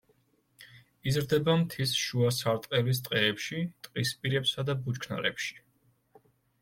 იზრდება მთის შუა სარტყელის ტყეებში, ტყის პირებსა და ბუჩქნარებში.